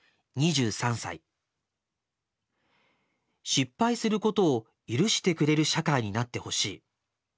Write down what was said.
「失敗することを許してくれる社会になってほしい。